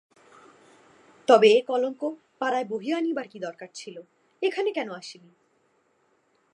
তবে এ কলঙ্ক পাড়ায় বহিয়া আনিবার কী দরকার ছিল–এখানে কেন আসিলি।